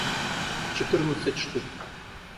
четырнадцать штук